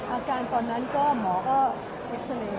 อาการตอนนั้นก็หมอก็เอ็กซาเรย์